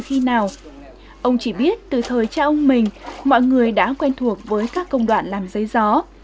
khi nào ông chỉ biết từ thời cha ông mình mọi người đã quen thuộc với các công đoạn làm giấy gió